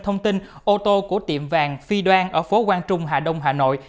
thông tin ô tô của tiệm vàng phi đoan ở phố quang trung hà đông hà nội